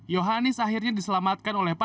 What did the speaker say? yohanis akhirnya diselamatkan oleh pak